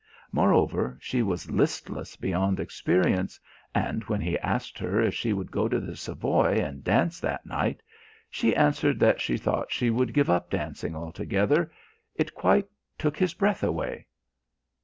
Moreover, she was listless beyond experience, and when he asked her if she would go to the Savoy and dance that night, she answered that she thought she would give up dancing altogether. It quite took his breath away.